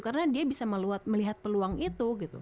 karena dia bisa melihat peluang itu